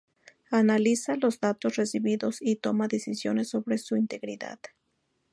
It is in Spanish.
Analiza los datos recibidos y toma decisiones sobre su integridad.